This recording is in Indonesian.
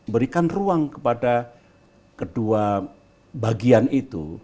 berikan ruang kepada kedua bagian itu